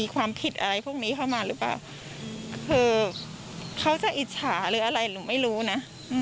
คือเขาจะอิจฉาหรืออะไรหรือไม่รู้นะ